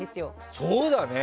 そうだね！